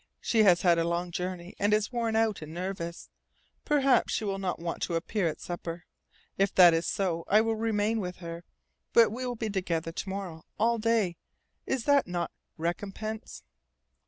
She has had a long journey and is worn out and nervous. Perhaps she will not want to appear at supper. If that is so, I will remain with her. But we will be together to morrow. All day. Is that not recompense?"